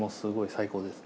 最高ですか。